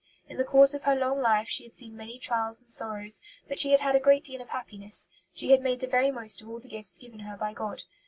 In the course of her long life she had seen many trials and sorrows, but she had had a great deal of happiness. She had made the very most of all the gifts given her by God.